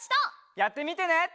やってみてね。